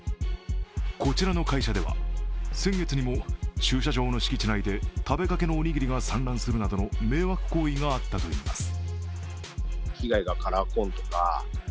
こちらの会社では、先月にも駐車場の敷地内で食べかけのおにぎりが散乱するなどの迷惑行為があったといいます。